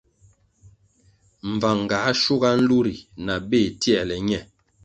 Mbvang ga schuga nlu ri na béh tierle ñe.